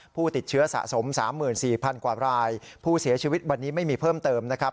ผู้ติดเชื้อสะสม๓๔๐๐๐กว่ารายผู้เสียชีวิตวันนี้ไม่มีเพิ่มเติมนะครับ